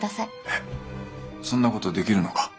えっそんなことできるのか。